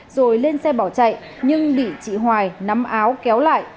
rồi lên xe bỏ chạy nhưng bị chị hoài nắm áo kéo lại